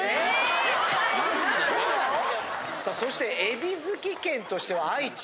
そしてエビ好き県としては愛知。